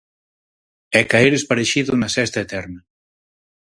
E caer esparexido na sesta eterna.